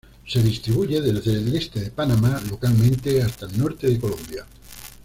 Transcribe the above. Se distribuye desde el este de Panamá, localmente hasta el norte de Colombia.